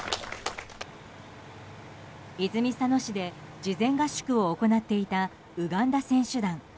泉佐野市で事前合宿を行っていたウガンダ選手団。